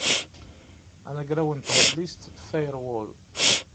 Anagraw n tɣellist firewall.